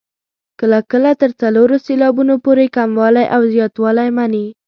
کله کله تر څلورو سېلابونو پورې کموالی او زیاتوالی مني.